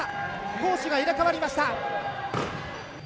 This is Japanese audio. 攻守が入れ替わりました。